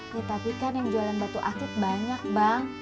ya tapi kan yang jualan batu akit banyak bang